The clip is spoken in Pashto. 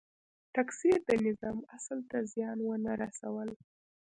تکثیر د نظام اصل ته زیان ونه رسول.